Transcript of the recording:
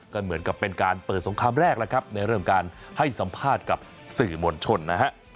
ก็เหมือนกับเป็นการเปิดสงครามแรกแล้วครับในเรื่องการให้สัมภาษณ์กับสื่อมวลชนนะฮะ